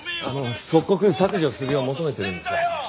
即刻削除するよう求めてるんですが。